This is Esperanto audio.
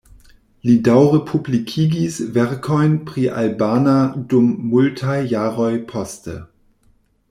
Li daŭre publikigis verkojn pri albana dum multaj jaroj poste.